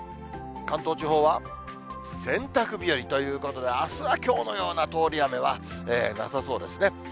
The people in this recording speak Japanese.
関東地方は洗濯日和ということで、あすはきょうのような通り雨はなさそうですね。